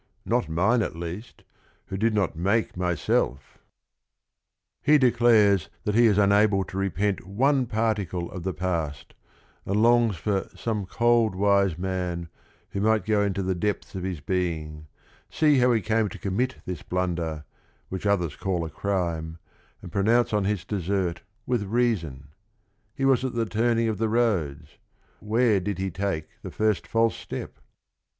Not mine at least, who did not make myself I '" GUIDO 179 He declares that he is unable to repent one par ticle of the past, and longs for "some cold wise man" who might go into the depths of his being, see how he came to commit this blunder, which others call a crime, and pronounce on his desert with reason. He was at the turning of the roads; where did bte take the first false step